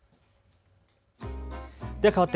かわって＃